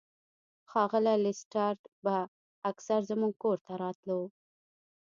ښاغلی لیسټرډ به اکثر زموږ کور ته راتلو.